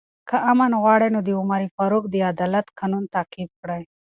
که امن غواړئ، نو د عمر فاروق د عدالت قانون تعقیب کړئ.